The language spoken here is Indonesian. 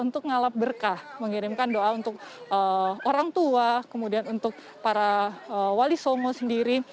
untuk ngalap berkah mengirimkan doa untuk orang tua kemudian untuk para wali songo sendiri